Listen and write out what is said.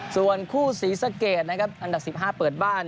ส่วนคู่ศรีสะเกดนะครับอันดับ๑๕เปิดบ้าน